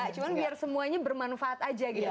cuma biar semuanya bermanfaat aja gitu